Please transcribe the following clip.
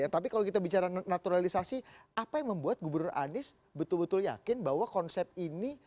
tapi kalau kita bicara naturalisasi apa yang membuat gubernur anies betul betul yakin bahwa konsep ini